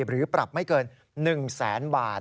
หรือปรับไม่เกิน๑๐๐๐๐๐บาท